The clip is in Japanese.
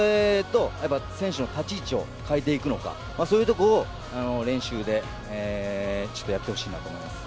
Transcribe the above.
選手の立ち位置を変えていくのかそういうところを練習でやってほしいなと思います。